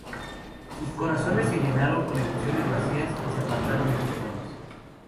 Sus corazones se llenaron con emociones vacías, y se apartaron de mis manos.